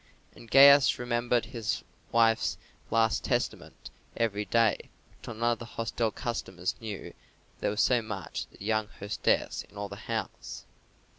And Gaius remembered his wife's last testament every day, till none of the hostel customers knew that there was so much as a young hostess in all the house.